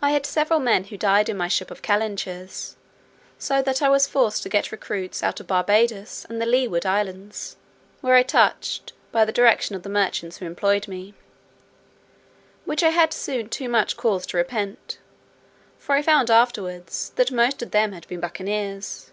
I had several men who died in my ship of calentures, so that I was forced to get recruits out of Barbadoes and the Leeward Islands, where I touched, by the direction of the merchants who employed me; which I had soon too much cause to repent: for I found afterwards, that most of them had been buccaneers.